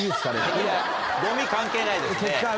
いやゴミ関係ないですね。